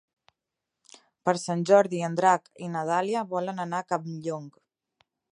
Per Sant Jordi en Drac i na Dàlia volen anar a Campllong.